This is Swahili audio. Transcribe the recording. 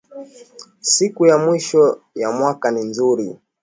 Siku ya mwisho ya mwaka ni nzuri